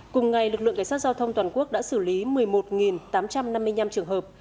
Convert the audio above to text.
cùng ngày lực lượng cảnh sát giao thông toàn quốc đã xử lý một mươi một tám trăm năm mươi năm trường hợp